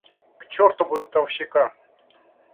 К чёрту бунтовщика!